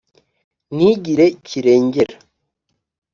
ntigire kirengera